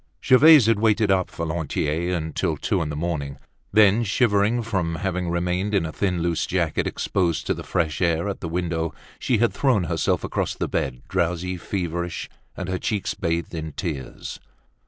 Gervaise had waited up for Lantier until two in the morning. Then, shivering from having remained in a thin loose jacket, exposed to the fresh air at the window, she had thrown herself across the bed, drowsy, feverish, and her cheeks bathed in tears.